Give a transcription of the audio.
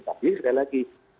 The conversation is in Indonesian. tapi sekali lagi